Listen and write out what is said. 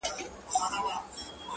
لېوه جوړي په ځنګله کي کړې رمباړي،